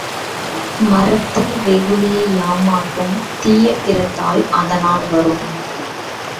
மறத்தல் வெகுளியை யாமாட்டும் தீய பிறத்தல் அதனான் வரும்.